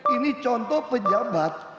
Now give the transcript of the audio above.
ini contoh pejabat